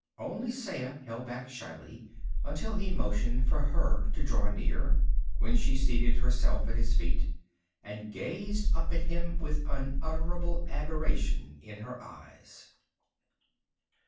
Only Saya held back shyly, until he motioned for her to draw near, when she seated herself at his feet and gazed up at him with unutterable adoration in her eyes.